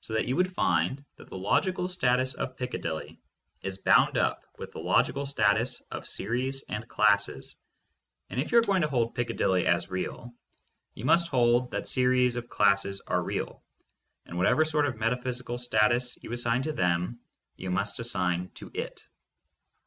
So that you would find that the logical status of Piccadilly is bound up with the logical status of series and classes, and if you are going to hold Piccadilly as real, you must hold that series of classes are real, and whatever sort of metaphysical status you assign to them, you must assign to it.